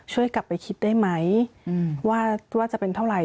ช่วยกลับไปคิดได้ไหมว่าจะเป็นเท่าไหร่